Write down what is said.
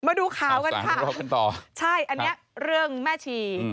มาดูข่าวกันค่ะใช่อันนี้เรื่องแม่ชี